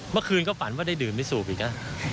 เมื่อคืนก็ฝันว่าได้ดื่มไม่สูบอีกนะ